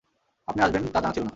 আপনি আসবেন তা জানা ছিল না।